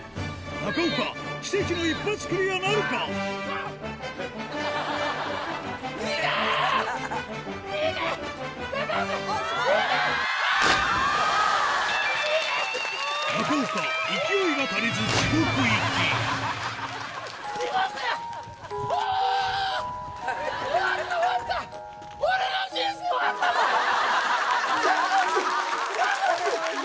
中岡勢いが足りずあぁ！